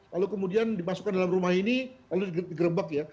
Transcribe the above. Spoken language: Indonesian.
lalu kemudian dimasukkan dalam rumah ini lalu digerebek ya